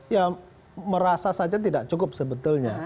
ya merasa saja tidak cukup sebetulnya